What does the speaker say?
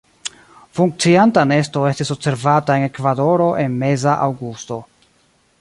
Funkcianta nesto estis observata en Ekvadoro en meza aŭgusto.